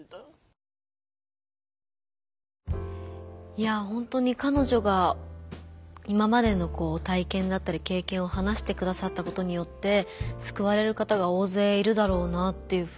いや本当に彼女が今までの体験だったり経験を話してくださったことによってすくわれる方が大勢いるだろうなっていうふうに思いました。